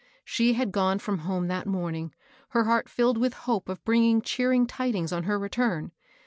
She had gone from home that morning, her heart filled with hope of bringing cheering tidings on her return.